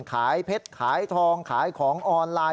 ขายเพชรขายทองขายของออนไลน์